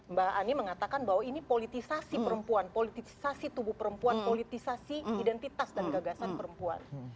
mbak ani mengatakan bahwa ini politisasi perempuan politisasi tubuh perempuan politisasi identitas dan gagasan perempuan